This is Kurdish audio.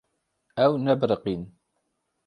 Ew nebiriqîn.